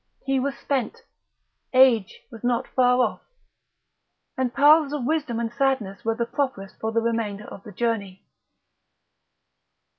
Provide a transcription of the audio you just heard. He was spent; age was not far off; and paths of wisdom and sadness were the properest for the remainder of the journey....